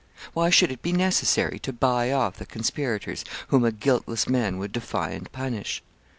Why should it be necessary to buy off the conspirators whom a guiltless man would defy and punish?